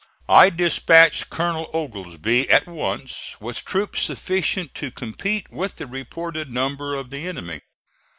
I dispatched Colonel Oglesby at once with troops sufficient to compete with the reported number of the enemy.